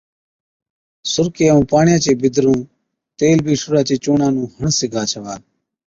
سُرڪي ائُون پاڻِيان چي بِدرُون تيل بِي ٺوڏا چي چُونڻان نُون هڻ سِگھا ڇَوا۔